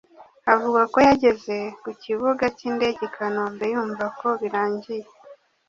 Avuga ko yageze ku kibuga cy’indege i Kanombe yumva ko birangiye